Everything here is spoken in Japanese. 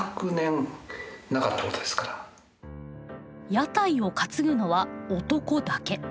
屋台を担ぐのは男だけ。